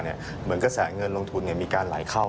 เหมือนกระแสเงินลงทุนมีการไหลเข้า